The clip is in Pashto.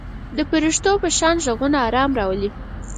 د پرښتو په شان غږونه آرام راولي.